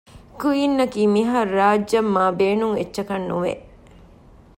ކްއީންއަކީ މިހާރު ރާޖްއަށް މާބޭނުން އެއްޗަކަށް ނުވެ